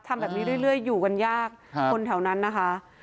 ทำแบบนี้เรื่อยอยู่กันยากคนแถวนั้นนะคะ